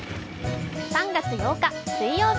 ３月８日水曜日。